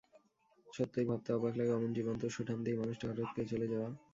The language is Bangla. সত্যিই ভাবতে অবাক লাগে, অমন জীবন্ত, সুঠামদেহী মানুষটির হঠাৎ করে চলে যাওয়া।